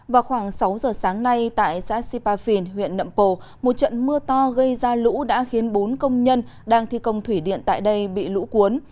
vào khoảng sáu giờ sáng nay tại xã sipafin huyện nậm pồ một trận mưa to gây ra lũ đã khiến bốn công nhân đang thi công thủy điện tại đây bị lũ cuốn